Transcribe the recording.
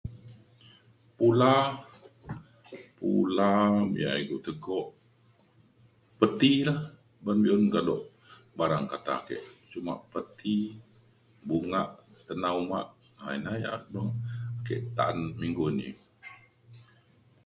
pula pula ia ilu tego peti lah uban be'un kado barang kata ke cuma peti bunga tena uma um ina ia ke ta'an minggu ini